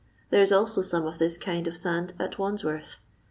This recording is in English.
There is also some of this kind of sand at Wandsworth.